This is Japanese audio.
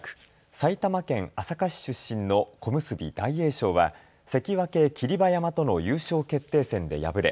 埼玉県朝霞市出身の小結・大栄翔は関脇・霧馬山との優勝決定戦で敗れ